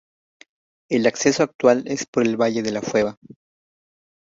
El acceso actual es por el valle de La Fueva.